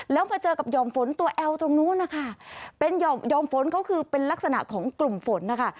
แล้วมาเจอกับห่อมฝนตัวแอลตรงนู้นนะคะเป็นห่อมฝนก็คือเป็นลักษณะของกลุ่มฝนนะคะ